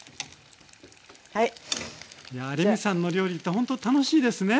いやレミさんの料理ってほんと楽しいですね。